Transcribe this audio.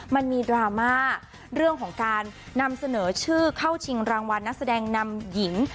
มันมีดราม่าเรื่องของการนำเสนอชื่อเข้าชิงรางวัลนักแสดงนำหญิง